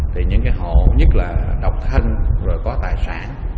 thì những cái hộ nhất là độc thân rồi có tài sản